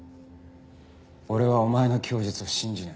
俺はお前の供述を信じない。